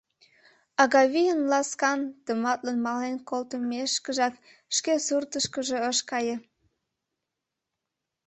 Агавийын ласкан-тамлын мален колтымешкыжак шке суртышкыжо ыш кае.